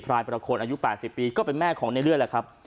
รายประโคนอายุ๘๐ปีก็เป็นแม่ของในเลื่อยแหละครับ